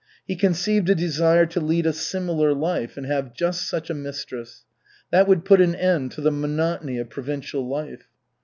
He conceived a desire to lead a similar life and have just such a mistress. That would put an end to the monotony of provincial life.